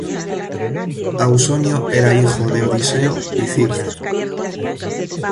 Ausonio era hijo de Odiseo y Circe.